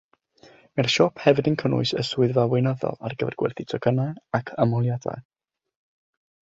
Mae'r siop hefyd yn cynnwys y swyddfa weinyddol ar gyfer gwerthu tocynnau ac ymholiadau.